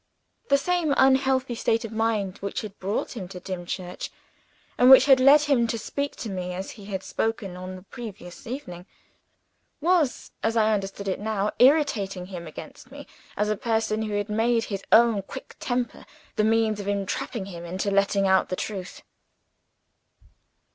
The same unhealthy state of mind which had brought him to Dimchurch, and which had led him to speak to me as he had spoken on the previous evening, was, as I understood it, now irritating him against me as a person who had made his own quick temper the means of entrapping him into letting out the truth.